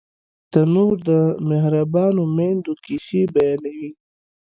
تنور د مهربانو میندو کیسې بیانوي